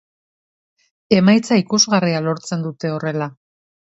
Emaitza ikusgarria lortzen dute horrela.